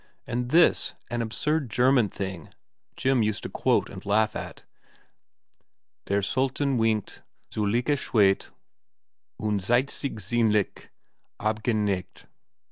And this, an absurd German thing Jim used to quote and laugh at : Der Sultan winkt, Zuleika schweigt, Und zeigt sich giinzlich abgeneigt.